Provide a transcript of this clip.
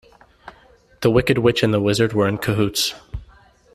The wicked witch and the wizard were in cahoots.